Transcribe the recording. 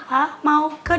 hah mau ke